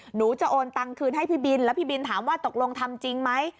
หนูจะโอนตังคืนให้พี่บินแล้วพี่บินถามว่าตกลงทำจริงไหม